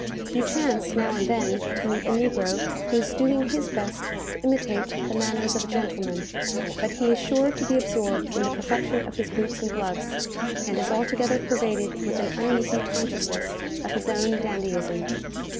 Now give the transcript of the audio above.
You chance, now and then, to meet a negro who is doing his best to imitate the manners of a gentleman; but he is sure to be absorbed in the perfection of his boots and gloves, and is altogether pervaded with an uneasy consciousness of his own dandyism.